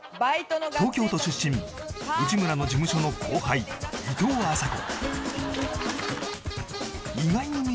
東京都出身内村の事務所の後輩いとうあさこ